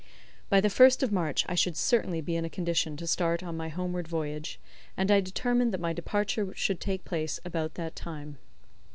By the first of March I should certainly be in a condition to start on my homeward voyage, and I determined that my departure should take place about that time.